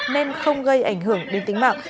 nên không gây ảnh hưởng đến tính mạng